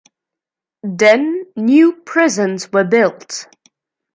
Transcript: Then new prisons were built.